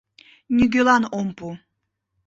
Нигӧлан ом пу...